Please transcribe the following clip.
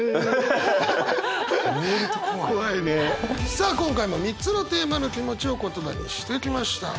さあ今回も３つのテーマの気持ちを言葉にしてきました。